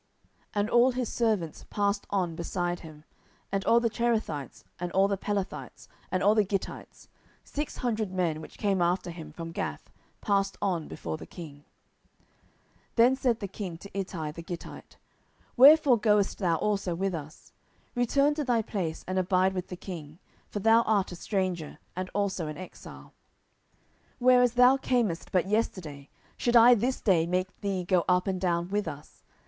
10:015:018 And all his servants passed on beside him; and all the Cherethites, and all the Pelethites, and all the Gittites, six hundred men which came after him from Gath, passed on before the king. 10:015:019 Then said the king to Ittai the Gittite, Wherefore goest thou also with us? return to thy place, and abide with the king: for thou art a stranger, and also an exile. 10:015:020 Whereas thou camest but yesterday, should I this day make thee go up and down with us?